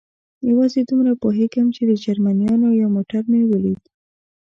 یوازې دومره پوهېږم، چې د جرمنیانو یو موټر مې ولید.